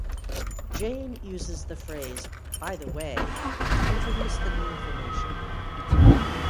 Jane uses the phrase "by the way" to introduce the new information.